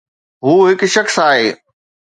هو هڪ شخص آهي.